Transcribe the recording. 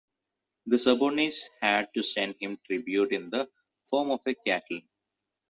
The subordinates had to send him tribute in the form of cattle.